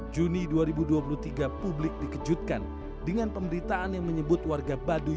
juni dua ribu dua puluh tiga publik dikejutkan dengan pemberitaan yang menyebut warga baduy